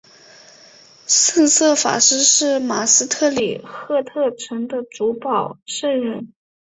圣瑟法斯是马斯特里赫特城的主保圣人。